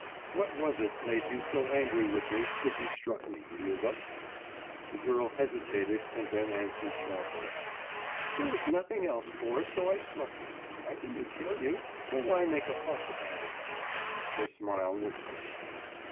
»What was it made you so angry with me, that you struck me, Liuba?« The girl hesitated and then answered sharply. »There was nothing else for it so I struck you. I didn't kill you, so why make a fuss about it?« Her smile was ugly.